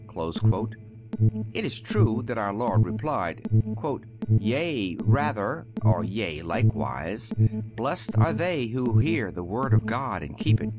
(249) It is true that our Lord replied: "Yea, rather (or yea, likewise), blessed are they who hear the word of God and keep it."